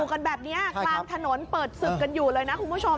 กันแบบนี้กลางถนนเปิดศึกกันอยู่เลยนะคุณผู้ชม